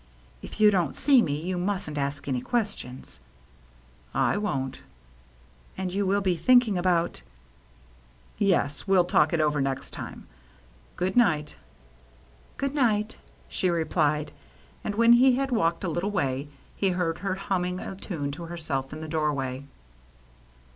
If you don't see me, you mustn't ask any questions." " I won't." " And you will be thinking about —"" Yes. We'll talk it over next time. Good night." " Good night," she replied. And when he had walked a little way, he heard her humming a tune to herself in the doorway.